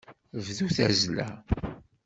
Bdu tazzla.